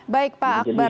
baik pak akbar